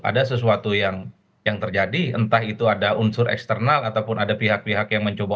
ada sesuatu yang terjadi entah itu ada unsur eksternal ataupun ada pihak pihak yang mencoba